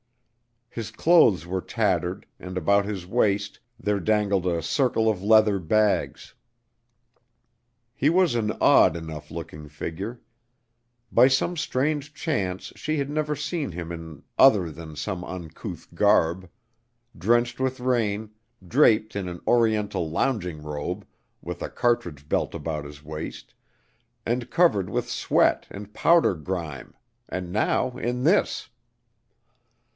His clothes were tattered, and about his waist there dangled a circle of leather bags. He was an odd enough looking figure. By some strange chance she had never seen him in other than some uncouth garb; drenched with rain, draped in an Oriental lounging robe, with a cartridge belt about his waist, and covered with sweat and powder grime, and now in this.